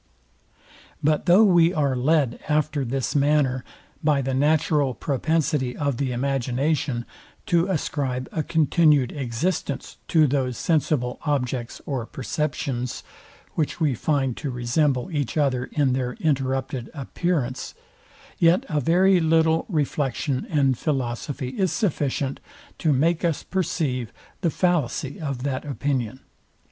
But though we are led after this manner, by the natural propensity of the imagination, to ascribe a continued existence to those sensible objects or perceptions, which we find to resemble each other in their interrupted appearance; yet a very little reflection and philosophy is sufficient to make us perceive the fallacy of that opinion.